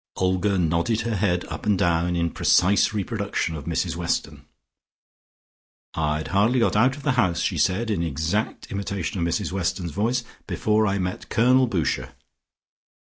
Olga nodded her head up and down in precise reproduction of Mrs Weston. "I'd hardly got out of the house," she said in exact imitation of Mrs Weston's voice, "before I met Colonel Boucher.